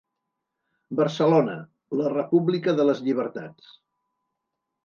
Barcelona: La república de les llibertats.